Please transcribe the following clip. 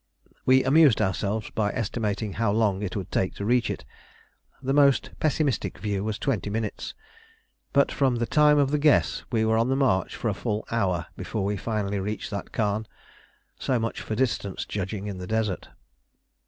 We amused ourselves by estimating how long it would take to reach it. The most pessimistic view was twenty minutes, but from the time of the guess we were on the march for a full hour before we finally reached that khan: so much for distance judging in the desert.